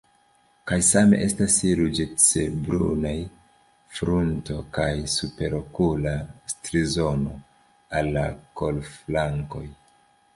Kaj same estas ruĝecbrunaj frunto kaj superokula strizono al la kolflankoj.